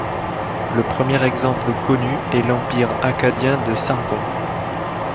Le premier exemple connu est l'Empire akkadien de Sargon.